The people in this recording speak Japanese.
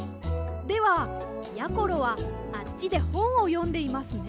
ではやころはあっちでほんをよんでいますね。